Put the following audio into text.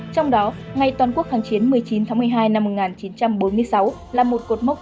trong đó ngày toàn quốc kháng chiến một mươi chín tháng một mươi hai năm một nghìn chín trăm bốn mươi sáu là một cột mốc